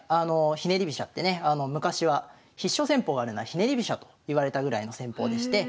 ひねり飛車ってね昔は必勝戦法があるならひねり飛車といわれたぐらいの戦法でして。